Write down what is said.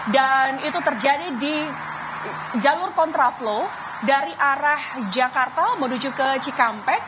dan itu terjadi di jalur kontraflux dari arah jakarta menuju ke cikampek